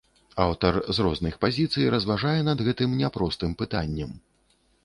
Аўтар з розных пазіцый разважае над гэтым няпростым пытаннем.